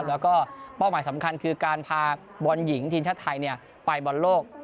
แล้วก็เป้าหมายสำคัญคือการพาบอลหญิงทีมชาติไทยไปบอลโลก